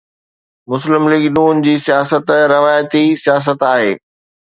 مسلم ليگ ن جي سياست روايتي سياست آهي.